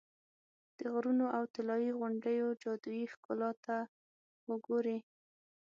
د غرونو او طلایي غونډیو جادویي ښکلا ته خو ګورې.